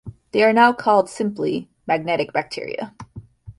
They are now called simply "magnetic bacteria".